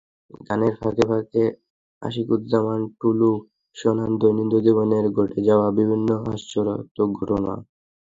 গানের ফাঁকে ফাঁকে আশিকুজ্জামান টুলু শোনান দৈনন্দিন জীবনে ঘটে যাওয়া বিভিন্ন হাস্যরসাত্মক ঘটনা।